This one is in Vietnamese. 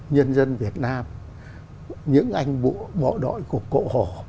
nhân dân việt nam những ngành bộ đội của cộ hồ